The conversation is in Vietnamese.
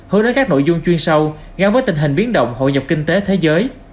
hướng đến các nội dung chuyên sâu gắn với tình hình biến động hội nhập kinh tế thế giới